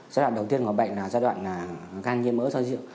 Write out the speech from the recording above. giai đoạn đầu tiên của bệnh là giai đoạn gan nhiễm mỡ do rượu